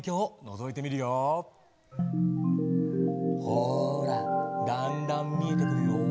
ほらだんだんみえてくるよ。